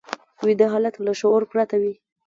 ویده حالت له شعور پرته وي